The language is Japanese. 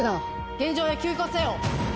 現場へ急行せよ。